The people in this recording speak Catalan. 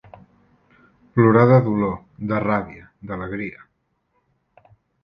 Plorar de dolor, de ràbia, d'alegria.